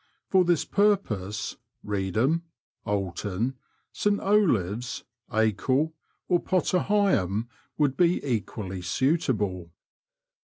For this purpose, Beedham, Oulton, St Olaves, Acle, or Potter Heigham would be equally suitable.